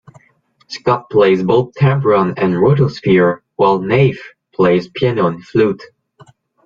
Scott plays both tambron and rotosphere, while Naiff plays piano and flute.